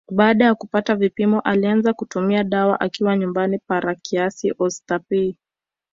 Baada ya kupata vipimo alianza kutumia dawa akiwa nyumbani parokiani ostabei